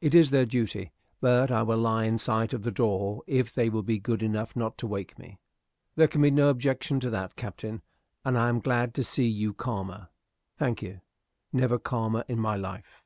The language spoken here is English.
"It is their duty; but I will lie in sight of the door if they will be good enough not to wake me." "There can be no objection to that; Captain, and I am glad to see you calmer." "Thank you; never calmer in my life."